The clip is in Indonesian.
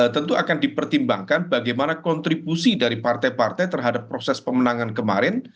tentu akan dipertimbangkan bagaimana kontribusi dari partai partai terhadap proses pemenangan kemarin